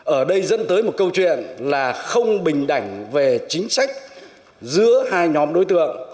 ở đây dẫn tới một câu chuyện là không bình đảnh về chính sách giữa hai nhóm đối tượng